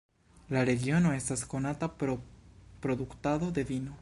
La regiono estas konata pro produktado de vino.